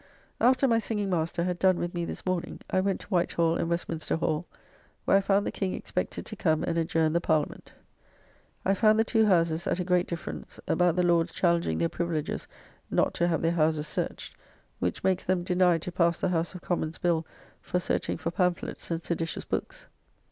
After my singing master had done with me this morning, I went to White Hall and Westminster Hall, where I found the King expected to come and adjourn the Parliament. I found the two Houses at a great difference, about the Lords challenging their privileges not to have their houses searched, which makes them deny to pass the House of Commons' Bill for searching for pamphlets and seditious books.